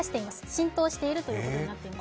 浸透しているということになっています。